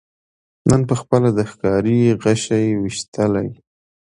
نن پخپله د ښکاري غشي ویشتلی